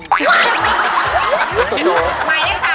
หมายเล่นสาม